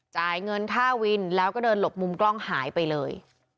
จ่ายเงินค่าวินแล้วก็เดินหลบมุมกล้องหายไปเลย